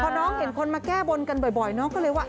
พอน้องเห็นคนมาแก้บนกันบ่อยน้องก็เลยว่า